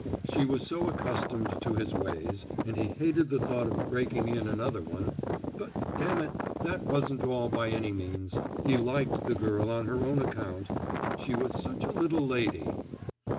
She was so accustomed to his ways, and he hated the thought of breaking in another one but, damn it, that wasn't all by any means, he liked the girl on her own account she was such a little lady.